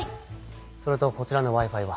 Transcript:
それとこちらのＷｉ−Ｆｉは？